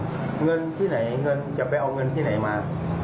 เงินที่ไหนเงินจะไปเอาเงินที่ไหนมา